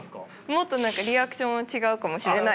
もっと何かリアクションは違うかもしれないですけど。